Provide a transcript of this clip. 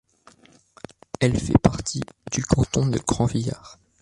Elle fait partie du canton de Grandvillars.